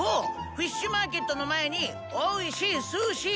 フィッシュマーケットの前においしいスーシー！